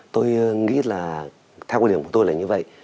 tôi nghĩ là theo quy định của tôi là như vậy